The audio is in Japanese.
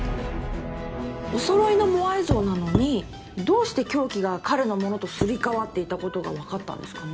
お揃いのモアイ像なのにどうして凶器が彼のものとすり替わっていたと分かったんですかね？